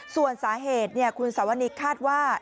ส่วนสาเหตุคุณสวรรค์นิดคาดว่า